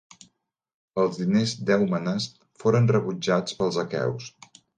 Els diners d'Èumenes foren rebutjats pels aqueus.